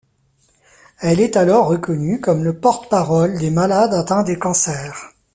Elle est alors reconnue comme le porte-parole des malades atteints de cancer.